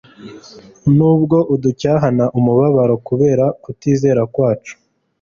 Nubwo aducyahana umubabaro kubera kutizera kwacu,